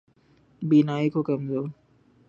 بینائی کو کمزور